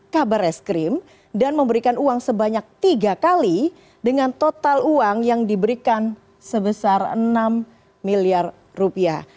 kabar eskrim dan memberikan uang sebanyak tiga kali dengan total uang yang diberikan sebesar enam miliar rupiah